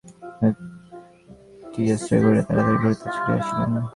ভবানীচরণ শৈলেনের চিঠি পাইয়া একটি সঙ্গী আশ্রয় করিয়া তাড়াতাড়ি কলিকাতায় ছুটিয়া আসিলেন।